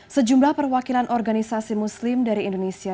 sejumlah perwakilan organisasi muslim dari indonesia